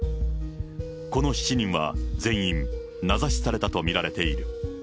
この７人は全員、名指しされたと見られている。